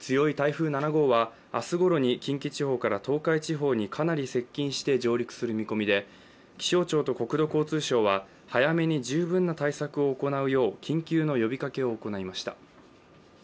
強い台風７号は明日ごろに近畿地方から東海地方にかなり接近して上陸する見込みで気象庁と国土交通省は早めに十分な対策を行うよう緊急の呼びかけを行いました。